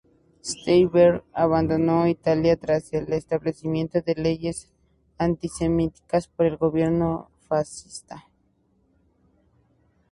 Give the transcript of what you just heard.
Steinberg abandonó Italia tras el establecimiento de las leyes antisemitas por el gobierno fascista.